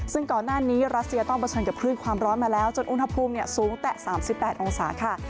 ซึ่งก่อนหน้านี้รัสเซียต้องเผชิญกับคลื่นความร้อนมาแล้วจนอุณหภูมิสูงแต่๓๘องศาค่ะ